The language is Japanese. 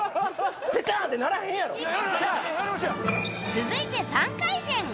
続いて３回戦